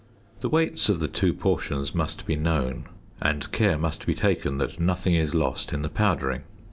The weights of the two portions must be known, and care must be taken that nothing is lost in the powdering.